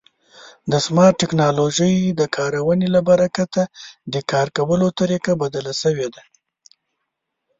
د سمارټ ټکنالوژۍ د کارونې له برکته د کار کولو طریقه بدله شوې ده.